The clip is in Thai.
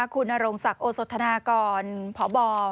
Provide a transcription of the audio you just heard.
คุณนรงศักดิ์โอสธนากรพบ